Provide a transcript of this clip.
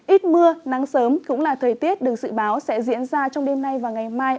ít mưa nắng sớm cũng là thời tiết được dự báo sẽ diễn ra trong đêm nay và ngày mai